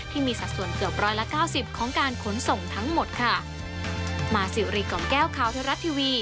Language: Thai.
ที่มีสัดส่วนเกือบ๑๙๐ของการขนส่งทั้งหมดค่ะ